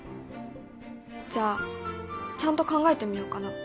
じゃあちゃんと考えてみようかな。